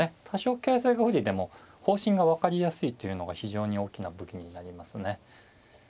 多少形勢が不利でも方針が分かりやすいというのが非常に大きな武器になりますね。